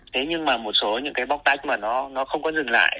thế nhưng mà một số những cái bóc tách mà nó không có dừng lại